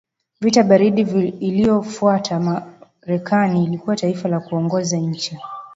vita baridi iliyofuata Marekani ilikuwa taifa la kuongoza nchi